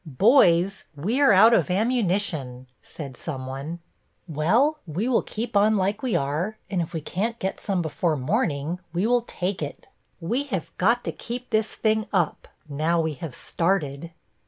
"Boys, we are out of ammunition," said someone. "Well, we will keep on like we are, and if we can't get some before morning, we will take it. We have got to keep this thing up, now we have started."